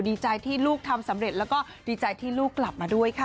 ดีใจที่ลูกทำสำเร็จแล้วก็ดีใจที่ลูกกลับมาด้วยค่ะ